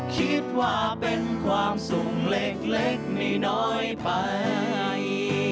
คิดว่าเป็นความสุขเล็กน้อยไป